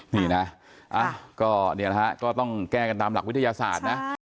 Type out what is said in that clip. นี่นะก็ต้องแก้กันตามหลักวิทยาศาสตร์นะ